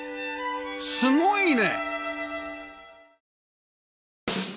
すごいね！